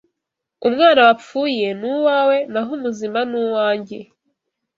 Umwana wapfuye ni uwawe naho umuzima ni uwanjye!